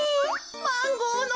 マンゴーの。